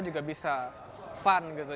juga bisa fun gitu